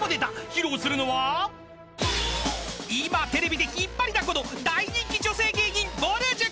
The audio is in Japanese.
［披露するのは今テレビで引っ張りだこの大人気女性芸人ぼる塾］